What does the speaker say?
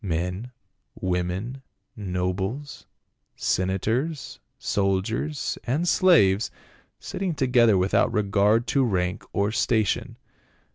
Men, women, nobles, senators, soldiers and slaves sitting together without regard to rank or station.